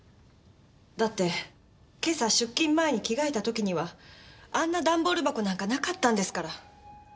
だって今朝出勤前に着替えた時にはあんな段ボール箱なんかなかったんですから。